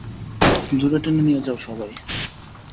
জোরে টেনে নিয়ে যাও, সবাই!